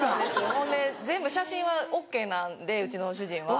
ほんで全部写真はＯＫなんでうちの主人は。